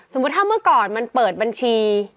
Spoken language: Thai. สมมติถ้าเมื่อก่อนมันเปิดบรรชี